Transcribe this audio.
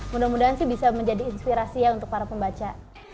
mudah mudahan sih bisa menjadi inspirasi ya untuk para pembaca